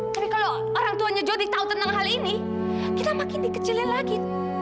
tapi kalau orang tuanya jody tahu tentang hal ini kita makin dikecilin lagi